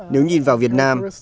nếu nhìn vào việt nam